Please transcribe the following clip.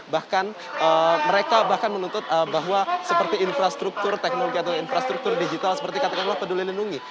bahkan mereka bahkan menuntut bahwa seperti infrastruktur teknologi atau infrastruktur digital seperti katakanlah peduli lindungi